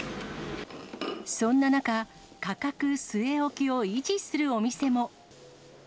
そんな中、価格据え置きを維持するお店も。